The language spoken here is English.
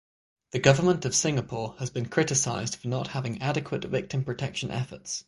The government of Singapore has been criticised for not having adequate victim protection efforts.